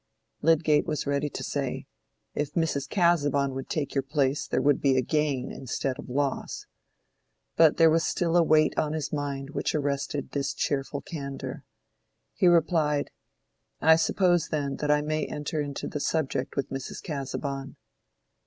Lydgate was ready to say, "If Mrs. Casaubon would take your place, there would be gain, instead of loss." But there was still a weight on his mind which arrested this cheerful candor. He replied, "I suppose, then, that I may enter into the subject with Mrs. Casaubon."